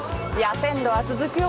線路は続くよ